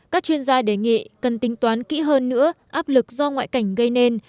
các chuyên gia đề nghị cần tính toán kỹ hơn nữa áp lực do ngoại cảnh gây nên